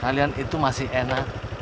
kalian itu masih enak